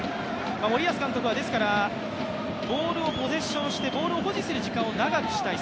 森保監督はボールをポゼッションして保持する時間を長くしたい